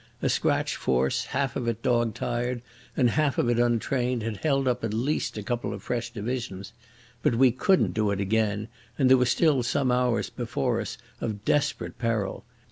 A scratch force, half of it dog tired and half of it untrained, had held up at least a couple of fresh divisions.... But we couldn't do it again, and there were still some hours before us of desperate peril.